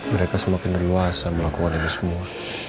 mereka semakin luasa melakukan ini semua